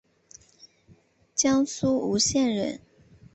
江苏吴县人。